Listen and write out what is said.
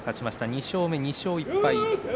２勝目、２勝１敗です。